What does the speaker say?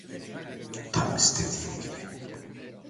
Tam istediğim gibi.